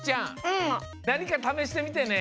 なにかためしてみてね。